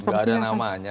gak ada namanya